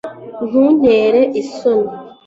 ntuntere isoni